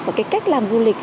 và cái cách làm du lịch